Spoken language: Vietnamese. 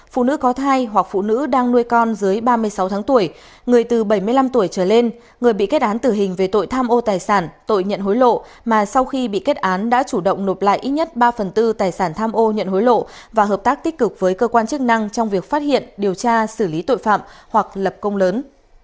phụ nữ có thai hoặc phụ nữ đang nuôi con dưới ba mươi sáu tháng tuổi người từ bảy mươi năm tuổi trở lên người bị kết án tử hình về tội tham ô tài sản tội nhận hối lộ mà sau khi bị kết án đã chủ động nộp lại ít nhất ba phần tư tài sản tham ô nhận hối lộ và hợp tác tích cực với cơ quan chức năng trong việc phát hiện điều tra xử lý tội phạm hoặc lập công lớn